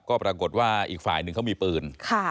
ก็ปรากฏว่าอีกฝ่ายหนึ่งเขามีปืน